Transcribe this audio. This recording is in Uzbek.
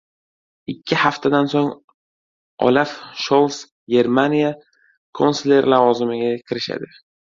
Ikki haftadan so`ng Olaf Shols Germaniya kansleri lavozimiga kirishadi